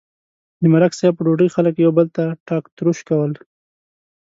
د ملک صاحب په ډوډۍ خلک یو بل ته ټاک تروش کول.